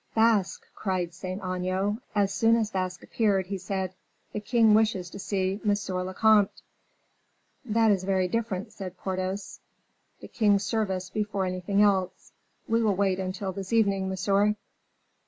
"Basque!" cried Saint Aignan. As soon as Basque appeared, he said, "The king wishes to see monsieur le comte." "That is very different," said Porthos; "the king's service before anything else. We will wait until this evening, monsieur."